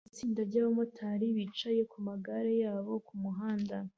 Itsinda ry'abamotari bicaye ku magare yabo ku muhanda